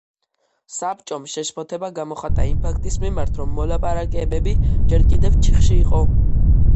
საბჭომ შეშფოთება გამოხატა იმ ფაქტის მიმართ, რომ მოლაპარაკებები ჯერ კიდევ ჩიხში იყო.